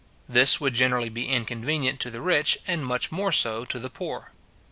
This would generally be inconvenient to the rich, and much more so to the poor.